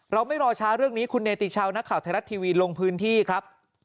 ไม่รอช้าเรื่องนี้คุณเนติชาวนักข่าวไทยรัฐทีวีลงพื้นที่ครับ